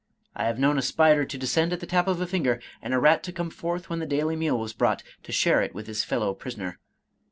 I have known a spider to descend at the tap of a finger, and a rat to come forth when the daily meal was brought, to share it with his fellow prisoner!